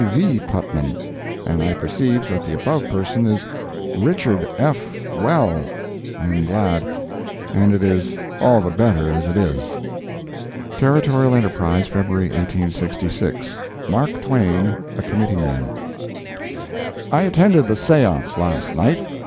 V. Putnam, and I perceive that the above parson is Richard F. Well, I am glad—and it is all the better as it is. Territorial Enterprise, February 1866 MARK TWAIN A COMMITTEE MAN I attended the seance last night.